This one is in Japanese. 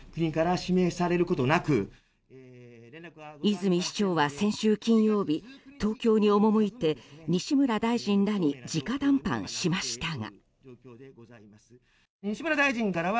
泉市長は先週金曜日東京に赴いて西村大臣らに直談判しましたが。